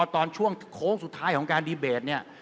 ตอนช่วงโค้งสุดท้ายของการดีเบตเนี่ย